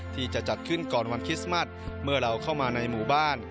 ที่จะจัดขึ้นก่อนวันคริสต์มัสเมื่อเราเข้ามาในหมู่บ้าน